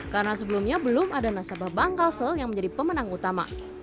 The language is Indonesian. karena sebelumnya belum ada nasabah bank kasel yang menjadi pemenang utama